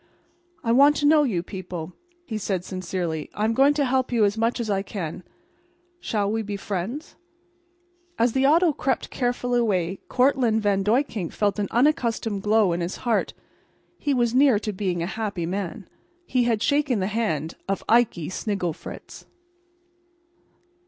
"I want to know you people," he said, sincerely. "I am going to help you as much as I can. We shall be friends." As the auto crept carefully away Cortlandt Van Duyckink felt an unaccustomed glow about his heart. He was near to being a happy man. He had shaken the hand of Ikey Snigglefritz.